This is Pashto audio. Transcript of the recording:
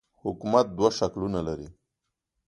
حکومت دوه شکلونه لري.